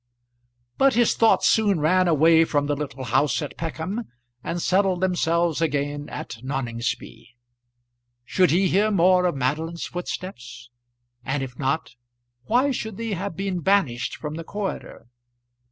But his thoughts soon ran away from the little house at Peckham, and settled themselves again at Noningsby. Should he hear more of Madeline's footsteps? and if not, why should they have been banished from the corridor?